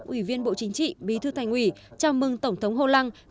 ủy viên bộ chính trị bí thư thành ủy chào mừng tổng thống hollande